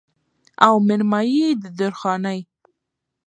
او مېرمايي يې د درخانۍ